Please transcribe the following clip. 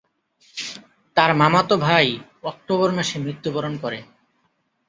তার মামাতো ভাই অক্টোবর মাসে মৃত্যুবরণ করে।